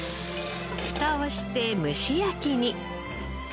フタをして蒸し焼きに。